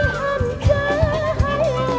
semua itu bayang